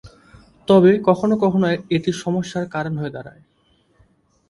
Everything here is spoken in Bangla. তবে কখনও কখনও এটি সমস্যার কারণ হয়ে দাঁড়ায়।